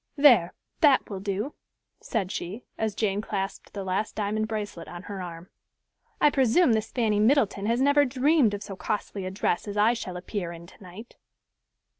"There, that will do," said she, as Jane clasped the last diamond bracelet on her arm. "I presume this Fanny Middleton has never dreamed of so costly a dress as I shall appear in tonight."